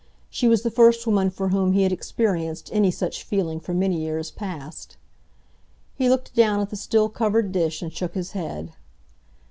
She was the first woman for whom he had experienced any such feeling for many years past. He looked down at the still covered dish, and shook his head.